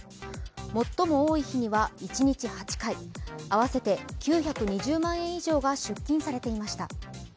最も多い日には一日８回、合わせて９２０万円以上が出金されていました。